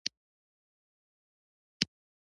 له عمومي برخلیک سره لوبې کول.